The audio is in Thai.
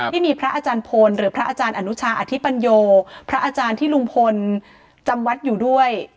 ที่มีพระอาจารย์พลหรือพระอาจารย์อนุชาอธิปัญโยพระอาจารย์ที่ลุงพลจำวัดอยู่ด้วย